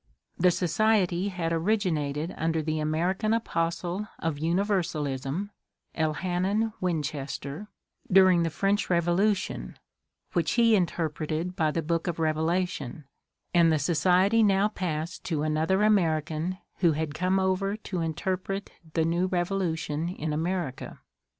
The society had originated under the American apostie of universalism, Elhanan Winchester, during the French Re volution, which he interpreted by the Book of Revelation, and the society now passed to another American who had come over to interpret the new revolution in America.